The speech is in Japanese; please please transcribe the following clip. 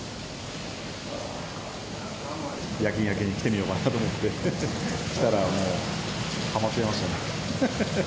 夜勤明けに来てみようかなと思って、そうしたらハマっちゃいましたね。